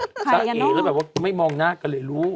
จ้ะเอ๋แล้วแบบว่าไม่มองหน้ากันเลยรู้